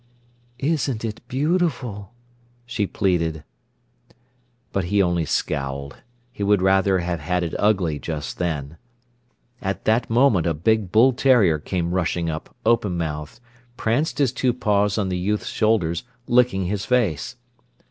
"Isn't it beautiful?" she pleaded. But he only scowled. He would rather have had it ugly just then. At that moment a big bull terrier came rushing up, open mouthed, pranced his two paws on the youth's shoulders, licking his face.